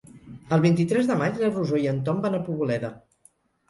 El vint-i-tres de maig na Rosó i en Tom van a Poboleda.